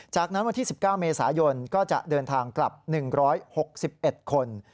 จากนั้นวันที่๑๙เมษายนก็จะเดินทางกลับ๑๖๑คน